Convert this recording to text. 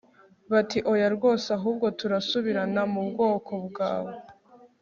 bati oya rwose Ahubwo turasubirana mu bwoko bwawe